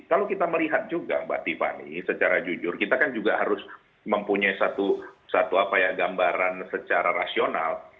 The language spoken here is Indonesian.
kalau kita melihat juga mbak tiffany secara jujur kita kan juga harus mempunyai satu gambaran secara rasional